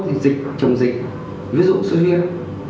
thì dịch chồng dịch ví dụ sốt huyết